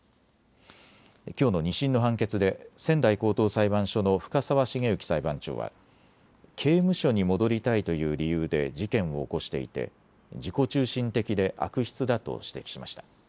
きょうの２審の判決で仙台高等裁判所の深沢茂之裁判長は、刑務所に戻りたいという理由で事件を起こしていて自己中心的で悪質だと指摘しました。